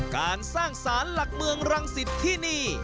การสร้างสารหลักเมืองรังสิตที่นี่